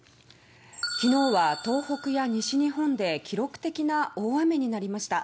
昨日は東北や西日本で記録的な大雨になりました。